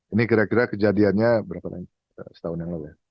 ini kira kira kejadiannya setahun yang lalu